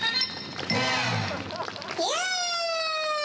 イエイ！